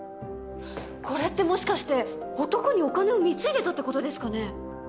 これってもしかして男にお金を貢いでたって事ですかね？